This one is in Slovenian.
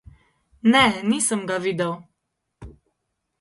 Ne, nisem ga videl.